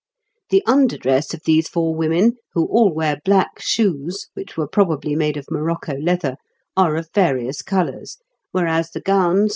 The under dress of these four women who all wear black shoes, which were probably made of morocco leather are of various colours, whereas the gowns or outer tunics are white.